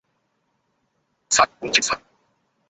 Sir, বলছি sir.